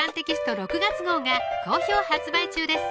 ６月号が好評発売中です